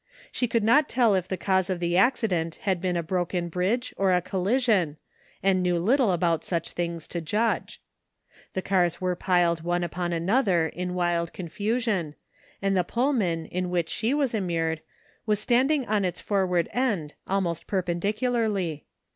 She could not tell if the cause of the accident had been a broken bridge or a collision, and knew little about sudi things to judge. The cars were piled one upon another in wild confusion, and the Pullman in which she was immured was standing on its forward end almost perpendicu larly.